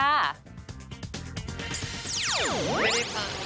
ไม่ได้ไป